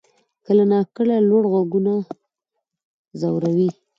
کله ناکله لوړ غږونه ځوروي.